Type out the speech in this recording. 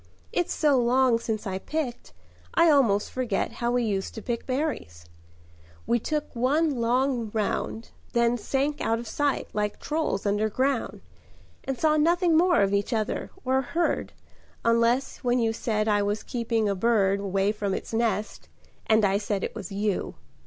It's so long since I picked I almost forget How we used to pick berries: we took one look round, Then sank out of sight like trolls underground, And saw nothing more of each other, or heard, Unless when you said I was keeping a bird Away from its nest, and I said it was you.